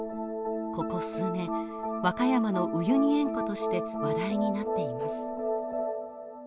ここ数年、和歌山のウユニ塩湖として話題になっています。